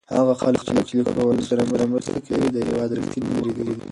هغه خلک چې له ښوونځیو سره مرسته کوي د هېواد رښتیني ملګري دي.